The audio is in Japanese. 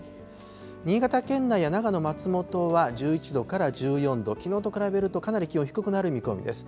新潟県内や長野、松本は１１度から１４度、きのうと比べるとかなり気温低くなる見込みです。